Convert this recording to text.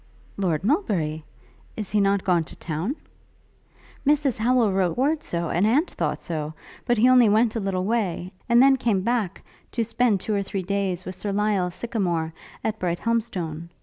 'Lord Melbury? Is he not gone to town?' 'Mrs Howel wrote word so, and aunt thought so; but he only went a little way; and then came back to spend two or three days with Sir Lyell Sycamore, at Brighthelmstone.